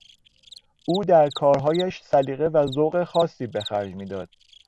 او در کارهایش سیلقه و ذوق خاصی به خرج میداد.